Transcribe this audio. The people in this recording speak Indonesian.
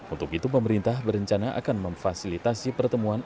untuk itu pemerintah berencana akan memfasilitasi pertemuan